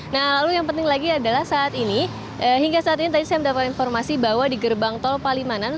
nah lalu yang penting lagi adalah saat ini hingga saat ini tadi saya mendapatkan informasi bahwa di gerbang tol palimanan